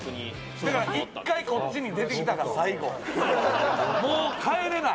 だから１回こっちに出てきたら最後もう帰れない。